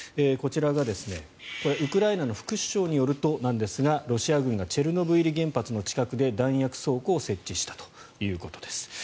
こちらがウクライナの副首相によるとなんですがロシア軍がチェルノブイリ原発の近くで弾薬倉庫を設置したということです。